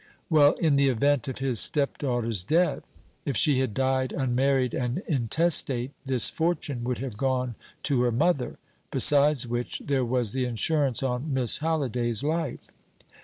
"Well, in the event of his stepdaughter's death. If she had died unmarried and intestate, this fortune would have gone to her mother; besides which, there was the insurance on Miss Halliday's life."